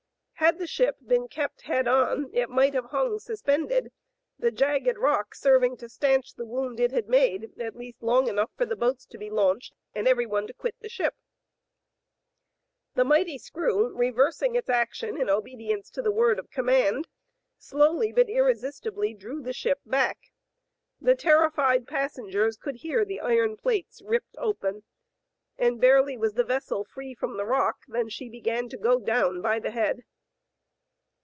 Had the ship been kept head on, it might have hung suspended, the jagged rock serving to stanch the wound it had made, at least long enough for the boats to be launched and every one to quit the ship. Digitized by Google H, jr. LUCY, 259 The mighty screw, reversing its action in obe dience to the word of command, slowly but irresistibly drew the ship back. The terrified passengers could hear the iron plates ripped open, and barely was the vessel free from the rock than she began to go down by the head.